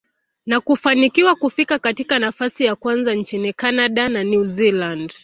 na kufanikiwa kufika katika nafasi ya kwanza nchini Canada na New Zealand.